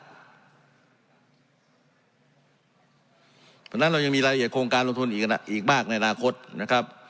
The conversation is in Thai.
เพราะฉะนั้นเรายังมีรายละเอียดโครงการลงทุนอีกมากในอนาคตนะครับ